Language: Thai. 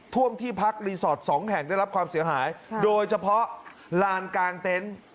ท่วมที่พักรีสอร์ทสองแห่งได้รับความเสียหายโดยเฉพาะลานกลางเต็นต์